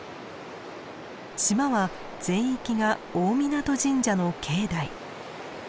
島は全域が大湊神社の境内。